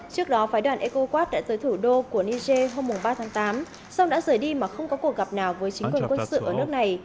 trước đó phái đoàn ecowas đã tới thủ đô của niger hôm ba tháng tám song đã rời đi mà không có cuộc gặp nào với chính quyền quân sự ở nước này